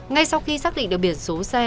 ngay sau khi xác định được biển số xe